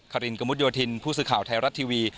รินกระมุดโยธินผู้สื่อข่าวไทยรัฐทีวี